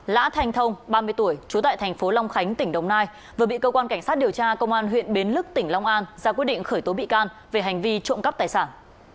lã thanh thông ba mươi tuổi trú tại thành phố long khánh tỉnh đồng nai vừa bị cơ quan cảnh sát điều tra công an huyện bến lức tỉnh long an ra quyết định khởi tố bị can về hành vi trộm cắp tài sản